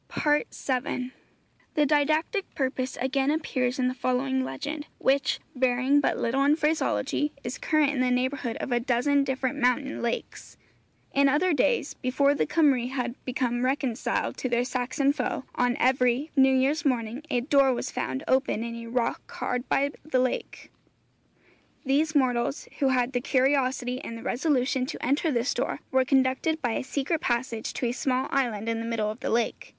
FOOTNOTE: 'Cymru Fu,' 476. VII. The didactic purpose again appears in the following legend, which, varying but little in phraseology, is current in the neighbourhood of a dozen different mountain lakes: In other days, before the Cymry had become reconciled to their Saxon foe, on every New Year's morning a door was found open in a rock hard by the lake. Those mortals who had the curiosity and the resolution to enter this door were conducted by a secret passage to a small island in the middle of the lake.